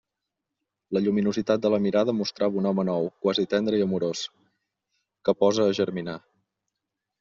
La lluminositat de la mirada mostrava un home nou, quasi tendre i amorós, que posa a germinar.